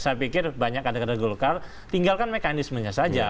saya pikir banyak kader kader golkar tinggalkan mekanismenya saja